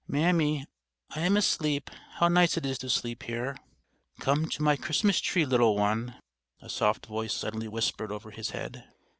"Mammy, I am asleep; how nice it is to sleep here!" "Come to my Christmas tree, little one," a soft voice suddenly whispered over his head.